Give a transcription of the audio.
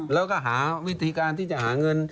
แล้วก็หาวิธีการที่จะหาเงิน